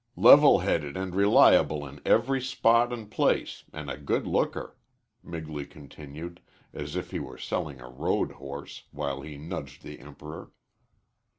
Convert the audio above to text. "Level headed and reliable in every spot an' place, an' a good looker," Migley continued, as if he were selling a road horse, while he nudged the Emperor.